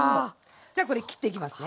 じゃあこれ切っていきますね。